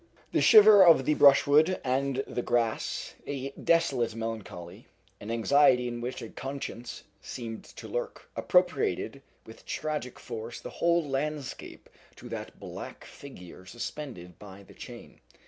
The shiver of the brushwood and the grass, a desolate melancholy, an anxiety in which a conscience seemed to lurk, appropriated with tragic force the whole landscape to that black figure suspended by the chain.